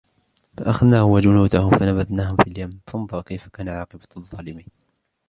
فَأَخَذْنَاهُ وَجُنُودَهُ فَنَبَذْنَاهُمْ فِي الْيَمِّ فَانْظُرْ كَيْفَ كَانَ عَاقِبَةُ الظَّالِمِينَ